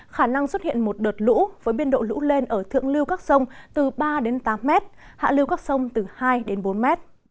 khả năng xuất hiện một đợt lũ với biên độ lũ lên ở thượng lưu các sông từ ba đến tám m hạ lưu các sông từ hai đến bốn m